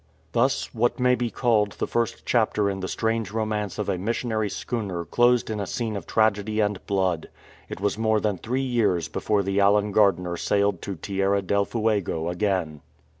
Thus, what may be called the first chapter in the strange romance of a missionary schooner closed in a scene of tragedy and blood. It was more than three years before the Allen Gardiner sailed to Tierra del Fuego again.